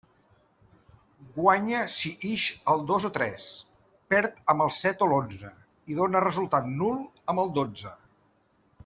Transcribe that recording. Guanya si ix el dos o tres, perd amb el set o l'onze i dóna resultat nul amb el dotze.